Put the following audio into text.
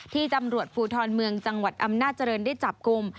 ที่ตำรวจภูทรเมืองจังหวัดอำนาจริงได้จับกลุ่ม